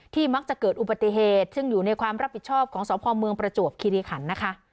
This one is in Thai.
มักจะเกิดอุบัติเหตุซึ่งอยู่ในความรับผิดชอบของสพเมืองประจวบคิริขันนะคะ